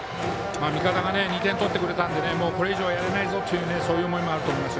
味方が２点取ってくれたのでこれ以上はやれないぞという思いもあると思います。